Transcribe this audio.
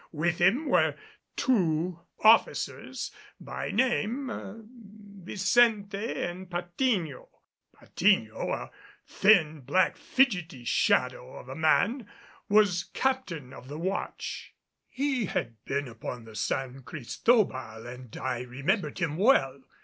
With him were two officers, by name Vincente and Patiño. Patiño, a thin black fidgety shadow of a man, was captain of the watch. He had been upon the San Cristobal and I remembered him well.